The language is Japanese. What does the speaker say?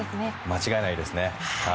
間違いないですね。